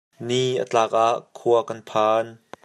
Ni a tlak ah khua kan phan.